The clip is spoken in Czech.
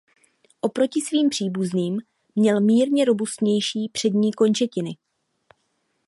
Oproti svým příbuzným měl mírně robustnější přední končetiny.